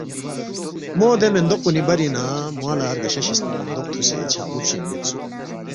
مو دے میندوق کونی برینگ نہ موانگ لا رگشہ شیسپی میندوق تھوسے چھقبو فچوین یود سوک۔